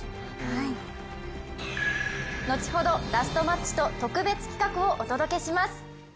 後ほどラストマッチと特別企画をお届けします。